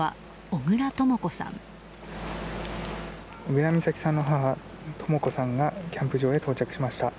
小倉美咲さんの母とも子さんがキャンプ場へ到着しました。